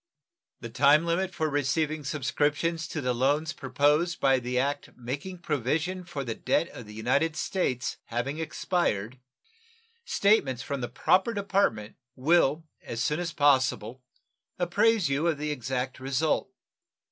The time limited for receiving subscriptions to the loans proposed by the act making provision for the debt of the United States having expired, statements from the proper department will as soon as possible apprise you of the exact result.